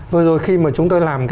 vừa rồi khi mà chúng tôi làm